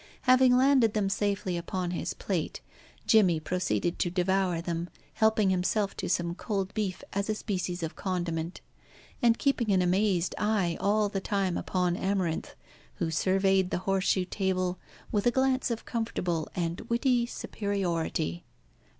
Having landed them safely upon his plate, Jimmy proceeded to devour them, helping himself to some cold beef as a species of condiment, and keeping an amazed eye all the time upon Amarinth, who surveyed the horse shoe table with a glance of comfortable and witty superiority.